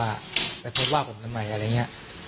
มาคุยว่าไปเพิดว่าผมทำไมอะไรอย่างเงี้ย